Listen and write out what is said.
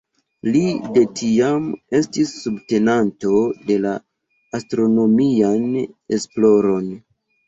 Li de tiam estis subtenanto de la astronomian esploron.